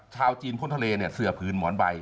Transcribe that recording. ชาวจีนข้นทะเลเสือผืนหมอนใบ